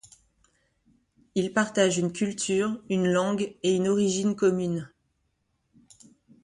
Ils partagent une culture, une langue et une origine commune.